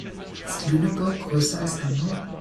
Ist Lüneburg größer als Hamburg?